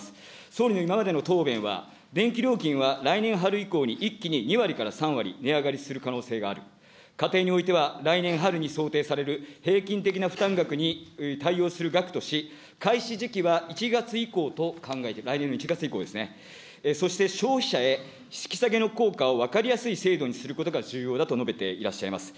総理の今までの答弁は、電気料金は来年春以降に一気に２割から３割値上がりする可能性がある、家庭においては、来年春に想定される平均的な負担額に対応する額とし、開始時期は１月以降と考えて、来年の１月以降ですね、そして消費者へ引き下げの効果を分かりやすい制度にすることが重要だと述べていらっしゃいます。